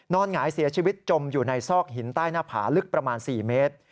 หงายเสียชีวิตจมอยู่ในซอกหินใต้หน้าผาลึกประมาณ๔เมตร